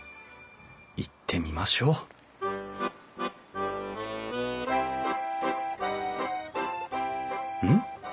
行ってみましょううん？